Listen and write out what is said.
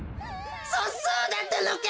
そそうだったのか！